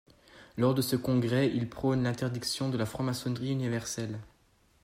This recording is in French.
Lors de ce congrès, il prône l'interdiction de la franc-maçonnerie universelle.